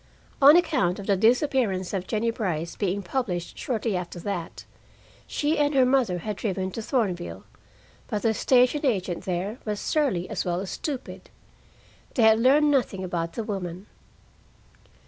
On account of the disappearance of Jennie Brice being published shortly after that, she and her mother had driven to Thornville, but the station agent there was surly as well as stupid. They had learned nothing about the woman.